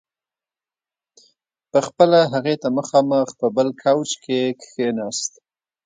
په خپله هغې ته مخامخ په بل کاوچ کې کښېناست.